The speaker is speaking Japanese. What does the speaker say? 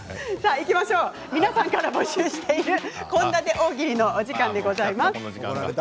皆さんから募集している献立大喜利の時間でございます。